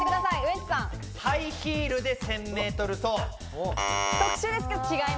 ハイヒールで１０００ｍ走。